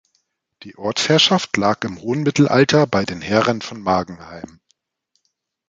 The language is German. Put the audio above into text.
Die Ortsherrschaft lag im hohen Mittelalter bei den Herren von Magenheim.